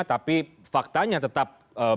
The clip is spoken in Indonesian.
tapi faktanya tetap belum bisa